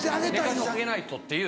寝かしてあげないとっていう。